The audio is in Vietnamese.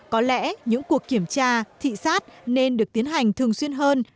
có lẽ những cuộc kiểm tra thị sát nên được tiến hành thường xuyên hơn